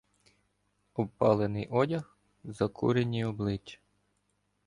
Обпалений одяг, закурені обличчя.